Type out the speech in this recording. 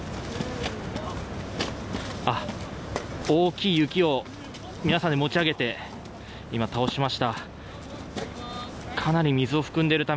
大きい雪を皆さんで持ち上げて今、倒しました。